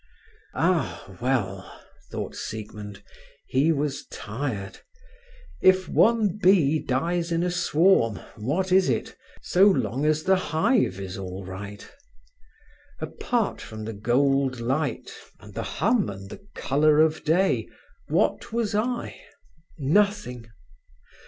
"Ah, well!" thought Siegmund—he was tired—"if one bee dies in a swarm, what is it, so long as the hive is all right? Apart from the gold light, and the hum and the colour of day, what was I? Nothing!